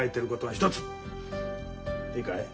いいかい？